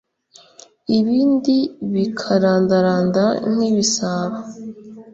ibindi bikarandaranda nk’ibisabo.